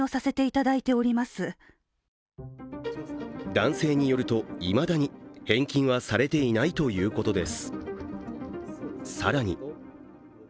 男性によると、いまだに返金はされていないということです。